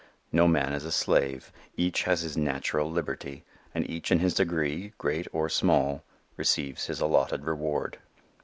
No man is a slave. Each has his "natural liberty," and each in his degree, great or small, receives his allotted reward.